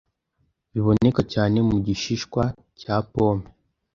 biboneka cyane mu gishishwa cya pome